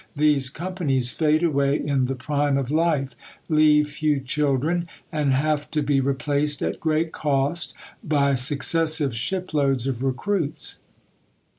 These companies fade away in the prime of life; leave few children; and have to be replaced, at great cost, by successive shiploads of recruits."